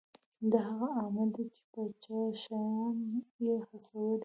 دا هغه عامل دی چې پاچا شیام یې هڅولی و.